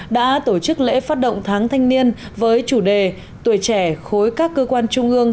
đã tổ chức lễ phát động tháng thanh niên với chủ đề tuổi trẻ khối các cơ quan trung ương